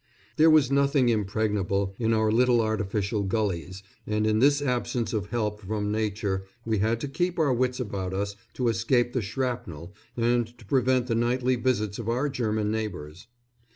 There was nothing impregnable in our little artificial gullies, and in this absence of help from Nature we had to keep our wits about us to escape the shrapnel and to prevent the nightly visits of our German neighbours.